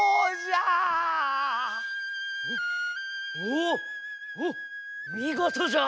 おっみごとじゃ。